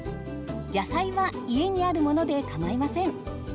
野菜は家にあるものでかまいません。